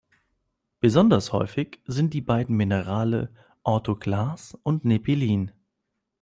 Besonders häufig sind die beiden Minerale Orthoklas und Nephelin.